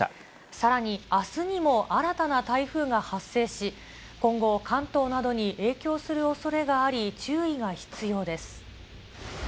さらに、あすにも新たな台風が発生し、今後、関東などに影響するおそれがあり、注意が必要です。